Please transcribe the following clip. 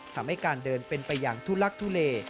ทำให้การเดินเป็นไปอย่างทุลักทุเล